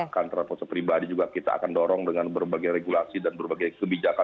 kantor foto pribadi juga kita akan dorong dengan berbagai regulasi dan berbagai kebijakan